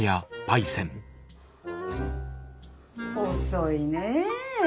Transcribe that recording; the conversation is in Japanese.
遅いねえ。